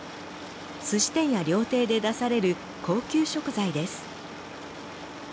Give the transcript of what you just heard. すし店や料亭で出される高級食材です。